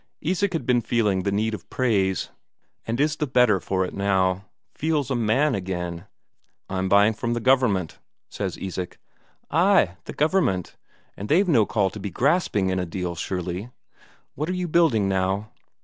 Isak had been feeling the need of praise, and is the better for it now. Feels a man again. "I'm buying from the Government," says Isak. "Ay, Government. But they've no call to be grasping in a deal, surely? What are you building now?"